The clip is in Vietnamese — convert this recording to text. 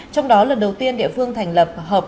trong đó lần đầu tiên địa phương thành lập hợp